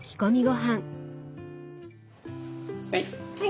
はい。